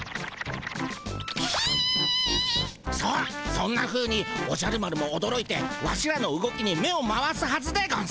そんなふうにおじゃる丸もおどろいてワシらの動きに目を回すはずでゴンス。